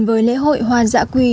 đến với lễ hội hoa giã quỳ